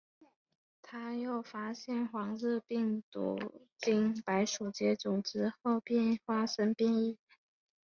他又发现黄热病病毒经白鼠接种之后便发生变异。